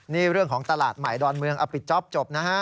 นี่เรื่องของตลาดใหม่ดอนเมืองเอาปิดจ๊อปจบนะฮะ